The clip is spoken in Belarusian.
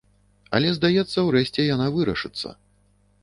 Але здаецца, урэшце яна вырашыцца.